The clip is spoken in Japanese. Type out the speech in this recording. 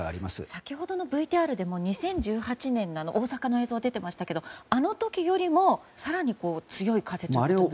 先ほどのＶＴＲでも２０１７年の映像が出てましたがあの時よりも更に強い風となりますかね。